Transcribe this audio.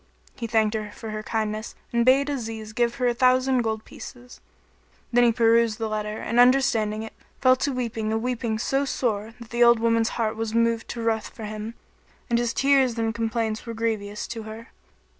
He thanked her for her kindness and bade Aziz give her a thousand gold pieces: then he perused the letter and understanding it fell to weeping a weeping so sore that the old woman's heart was moved to ruth for him, and his tears and complaints were grievous to her.